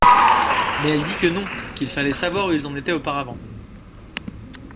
Mais elle dit que non, qu’il fallait savoir où ils en étaient auparavant.